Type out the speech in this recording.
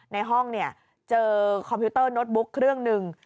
ในห้องเนี่ยเจอคอมพิวเตอร์โน้ตบุ๊กเครื่องหนึ่ง